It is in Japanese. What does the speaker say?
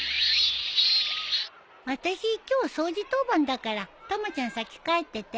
私今日掃除当番だからたまちゃん先帰ってて。